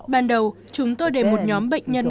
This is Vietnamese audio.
ban đầu chúng tôi để một nhóm bệnh nhân